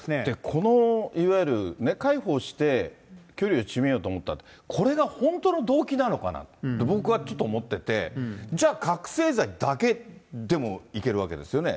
このいわゆる介抱して距離を縮めようと思ったって、これが本当の動機なのかなと、僕はちょっと思ってて、じゃあ、覚醒剤だけでもいけるわけですよね。